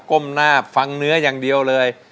ก้มหน้าฟังเนื้ออย่างเดียวเลย